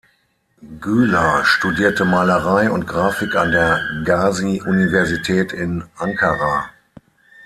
Güler studierte Malerei und Grafik an der Gazi-Universität in Ankara.